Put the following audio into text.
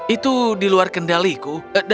itu di luar kendaliku